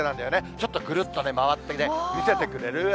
ちょっとくるっと回ってね、見せてくれる？